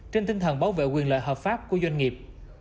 trên tinh thần bảo vệ quyền lợi hợp pháp của doanh nghiệp